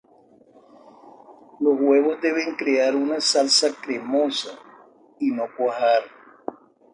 Los huevos deben crear una salsa cremosa y no cuajar.